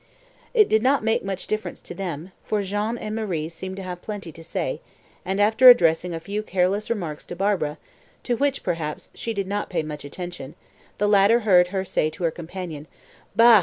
It did not make much difference to them, for Jean and Marie seemed to have plenty to say; and after addressing a few careless remarks to Barbara, to which, perhaps, she did not pay much attention, the latter heard her say to her companion, "Bah!